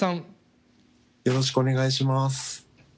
よろしくお願いします。